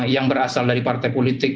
yang berasal dari partai politik